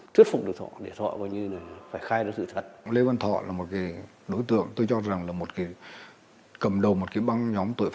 truy tố thành công lê văn thọ và nguyễn văn tình